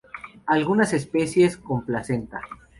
Algunas especies con placenta.